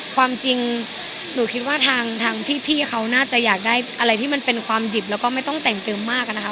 ความจริงหนูคิดว่าทางพี่เขาน่าจะอยากได้อะไรที่มันเป็นความหยิบแล้วก็ไม่ต้องแต่งเติมมากอะนะคะ